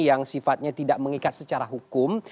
yang sifatnya tidak mengikat secara hukum